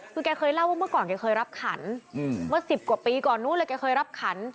คือแกเคยเล่าว่าเมื่อก่อนแกเคยรับขันเมื่อ๑๐กว่าปีก่อนนู้นเลยแกเคยรับขัน